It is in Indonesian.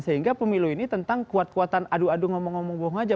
sehingga pemilu ini tentang kuat kuatan adu adu ngomong ngomong bohong aja